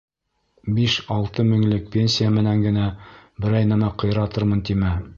Биш-алты меңлек пенсия менән генә берәй нәмә ҡыйратырмын тимә.